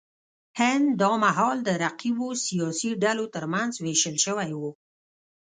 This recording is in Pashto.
هند دا مهال د رقیبو سیاسي ډلو ترمنځ وېشل شوی و.